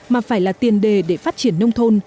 mà phải là tiền đề để phát triển nông thôn